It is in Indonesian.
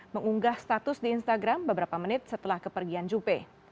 mengunggah status di instagram beberapa menit setelah kepergian juppe